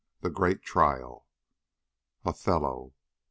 THE GREAT TRIAL. _Othello.